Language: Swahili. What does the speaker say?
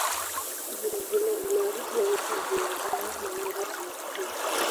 Vilevile umaarufu wa hifadhi ya Ziwa Manyara unakua